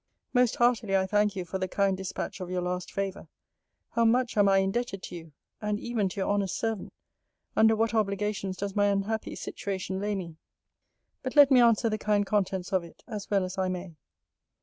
Most heartily I thank you for the kind dispatch of your last favour. How much am I indebted to you! and even to your honest servant! Under what obligations does my unhappy situation lay me! But let me answer the kind contents of it, as well as I may.